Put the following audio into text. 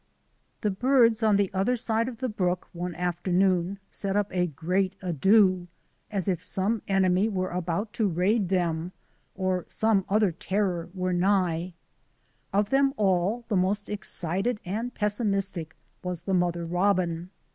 The birds on the other side of the brook one after noon set up a great ado, as if some enemy were about to raid them or some other terror were nigh. Of them all, the most excited and pessimistic was the mother robin.